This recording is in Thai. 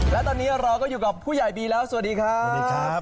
และตอนนี้เราก็อยู่กับผู้ใหญ่บีแล้วสวัสดีครับ